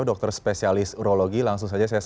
dokter spesialis urologi langsung saja saya